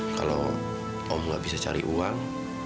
kalau om nggak bisa cari uang